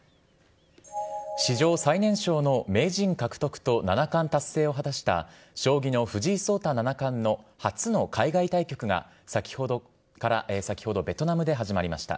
史上最年少の名人獲得と七冠達成を果たした将棋の藤井聡太七冠の初の海外対局が、先ほどベトナムで始まりました。